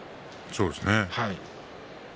そうですね。